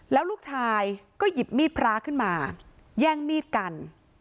แล้วลูกชายก็หยิบมีดพระขึ้นมาแย่งมีดกัน